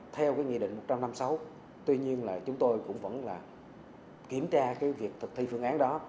theo nghị định một trăm năm mươi sáu tuy nhiên chúng tôi cũng vẫn kiểm tra việc thực thi phương án đó